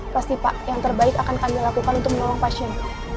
pasti pak yang terbaik akan kami lakukan untuk menolong pasien